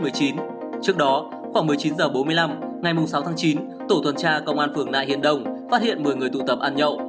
trước đó khoảng một mươi chín h bốn mươi năm ngày sáu tháng chín tổ tuần tra công an phường nại hiển đông phát hiện một mươi người tụ tập ăn nhậu